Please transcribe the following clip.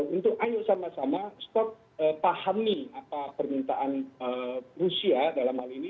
untuk ayo sama sama stop pahami apa permintaan rusia dalam hal ini